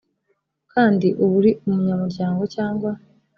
kandi ubu uri umunyamuryango cyangwa